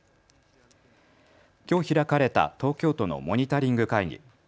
きょう開かれた東京都のモニタリング会議。